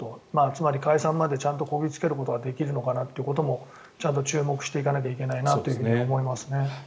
つまり、解散までちゃんとこぎ着けることができるのかということもちゃんと注目していかないといけないなと思いますね。